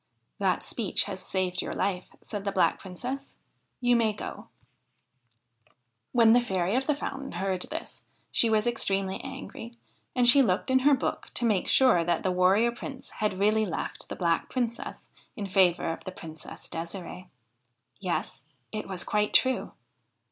'That speech has saved your life,' said the Black Princess, 'you may go.' THE HIND OF THE WOOD When the Fairy of the Fountain heard this she was extremely angry and she looked in her book to make sure that the Warrior Prince had really left the Black Princess in favour of the Princess Desire'e. Yes, it was quite true.